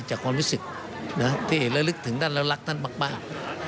จากความรู้สึกที่ระลึกถึงท่านและรักท่านมาก